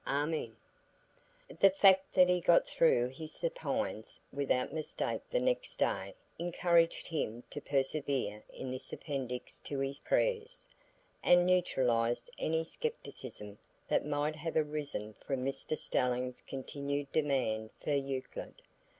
Amen." The fact that he got through his supines without mistake the next day, encouraged him to persevere in this appendix to his prayers, and neutralised any scepticism that might have arisen from Mr Stelling's continued demand for Euclid.